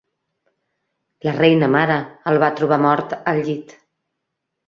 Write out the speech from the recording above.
La Reina Mare el va trobar mort al llit.